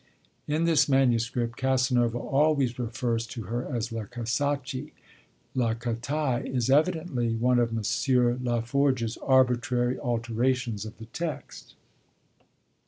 In this manuscript Casanova always refers to her as La Casacci; La Catai is evidently one of M. Laforgue's arbitrary alterations of the text.